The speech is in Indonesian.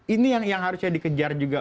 ini yang harusnya dikejar juga